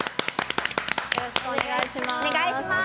よろしくお願いします